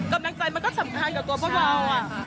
กำลังใจมันก็สำคัญกับตัวพวกเรา